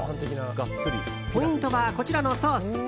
ポイントは、こちらのソース。